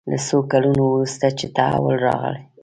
له څو کلونو وروسته چې تحول راغلی.